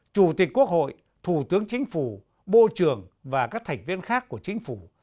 chủ tịch quốc hội thủ tướng chính phủ bộ trưởng và các thành viên khác của chính phủ